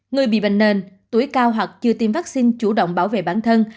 người bị bệnh nền tuổi cao hoặc chưa tiêm vaccine chủ động bảo vệ bản thân